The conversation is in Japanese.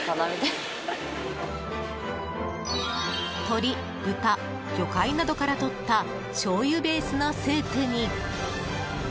鶏、豚、魚介などからとったしょうゆベースのスープに。